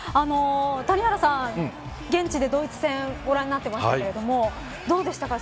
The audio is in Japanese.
谷原さん、現地でドイツ戦ご覧になってましたけれどもどうでしたか。